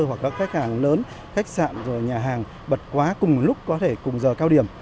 hoặc các khách hàng lớn khách sạn rồi nhà hàng bật quá cùng lúc có thể cùng giờ cao điểm